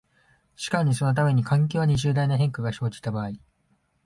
しかるにそのために、環境に重大な変化が生じた場合、